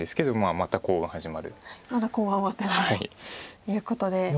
まだコウは終わってないということで。